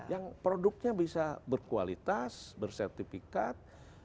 yang produknya bisa berkualitas bersertifikat